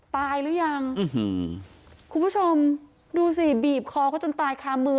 หรือยังคุณผู้ชมดูสิบีบคอเขาจนตายคามือ